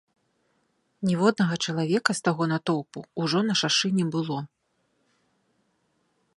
Ніводнага чалавека з таго натоўпу ўжо на шашы не было.